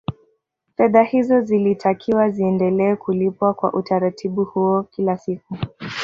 Fedha hizo zilitakiwa ziendelee kulipwa kwa utaratibu huo kila siku